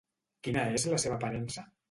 Quina és la seva aparença?